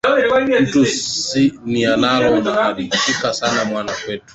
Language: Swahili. Mtu ni alo na ari, shika sana mwana kwetu